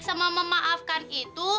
dan memaafkan itu